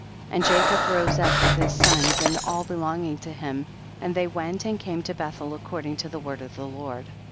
2. And Jacob rose up with his sons and all belonging to him, and they went and came to Bethel ac cording to the word of the Lord.